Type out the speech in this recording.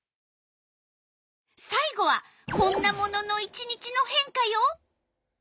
さい後はこんなものの１日の変化よ！